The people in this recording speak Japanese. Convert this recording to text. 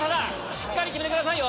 しっかり決めてくださいよ！